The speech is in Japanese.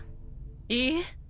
いいえ。